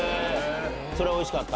それおいしかった？